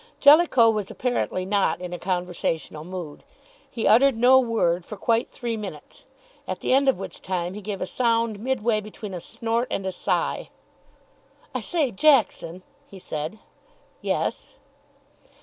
Jellicoe was apparently not in conversational mood. He uttered no word for quite three minutes. At the end of which time he gave a sound midway between a snort and a sigh. "I say, Jackson!" he said. "Yes?"